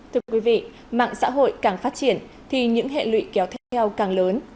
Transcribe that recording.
thưa quý vị mạng xã hội càng phát triển thì những hệ lụy kéo theo càng lớn